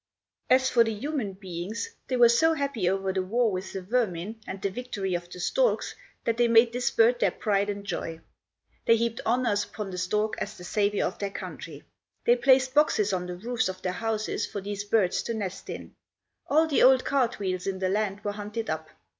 As for the human beings, they were so happy over the war with the vermin and the victory of the storks, that they made this bird their pride and joy. They heaped honors upon the stork as the savior of their country. They placed boxes on the roofs of their houses for these birds to nest in. All the old cart wheels in the land were hunted up.